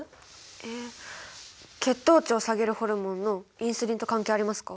え血糖値を下げるホルモンのインスリンと関係ありますか？